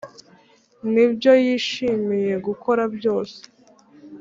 n’ibyo yishimiye gukora byose